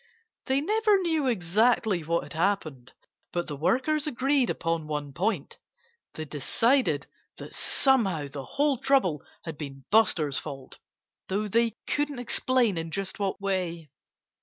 They never knew exactly what had happened. But the workers agreed upon one point. They decided that somehow the whole trouble had been Buster's fault though they couldn't explain in just what way.